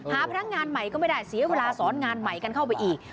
พนักงานใหม่ก็ไม่ได้เสียเวลาสอนงานใหม่กันเข้าไปอีก